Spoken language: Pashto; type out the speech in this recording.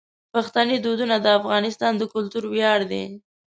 پښتني دودونه د افغانستان د کلتور ویاړ دي.